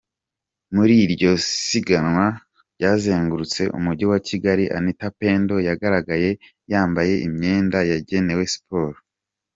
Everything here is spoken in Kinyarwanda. Muri iryo siganwa ryazengurutse Umujyi wa Kigali, Anita Pendo yagaragaye yambaye imyenda yagenewe siporo.